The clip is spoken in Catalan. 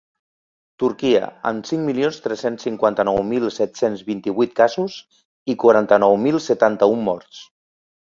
Turquia, amb cinc milions tres-cents cinquanta-nou mil set-cents vint-i-vuit casos i quaranta-nou mil setanta-un morts.